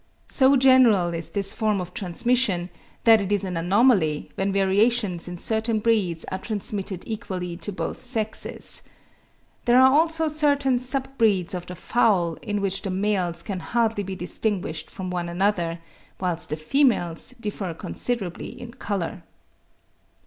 So general is this form of transmission that it is an anomaly when variations in certain breeds are transmitted equally to both sexes. There are also certain sub breeds of the fowl in which the males can hardly be distinguished from one another, whilst the females differ considerably in colour.